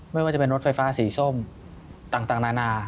ไม่ว่าจะเป็นรถไฟฟ้าสีส้มต่างนานา